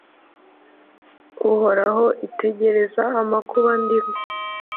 Uhoraho, itegereze amakuba ndimo!